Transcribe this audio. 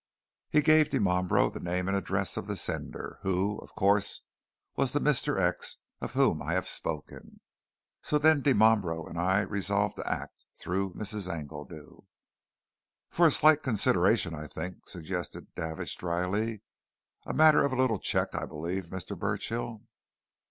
He gave Dimambro the name and address of the sender, who, of course, was the Mr. X. of whom I have spoken. So then Dimambro and I resolved to act, through Mrs. Engledew " "For a slight consideration, I think," suggested Davidge dryly. "A matter of a little cheque, I believe, Mr. Burchill."